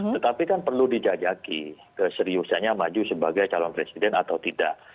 tetapi kan perlu dijajaki keseriusannya maju sebagai calon presiden atau tidak